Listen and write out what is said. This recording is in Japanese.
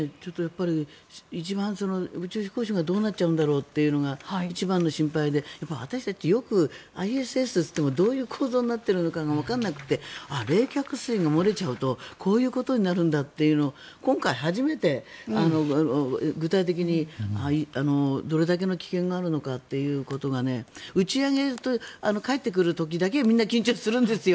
一番、宇宙飛行士がどうなっちゃうんだろうというのが一番の心配で私たち、よくＩＳＳといってもどういう構造になっているのかがわからなくて冷却水が漏れちゃうとこういうことになるんだというのを今回初めて具体的にどれだけの危険があるのかということが打ち上げと帰って来る時だけみんな緊張するんですよ。